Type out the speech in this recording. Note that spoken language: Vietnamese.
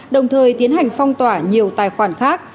đồng thời tiến hành phong tỏa nhiều tài khoản khác